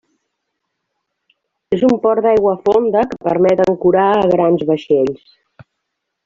És un port d'aigua fonda que permet ancorar a grans vaixells.